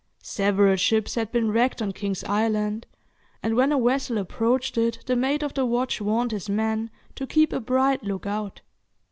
Several ships had been wrecked on King's Island, and when a vessel approached it the mate of the watch warned his men to keep a bright look out.